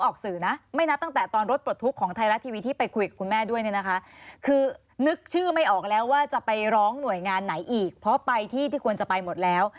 คือนึกชื่อไม่ออกแล้วว่าจะไปร้องหน่วยงานไหนอีกเพราะไปที่ที่ควรจะไปหมดแล้ว